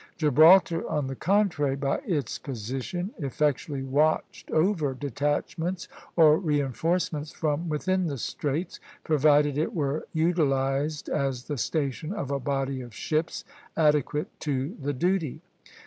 Gibraltar, on the contrary, by its position, effectually watched over detachments or reinforcements from within the Straits, provided it were utilized as the station of a body of ships adequate to the duty.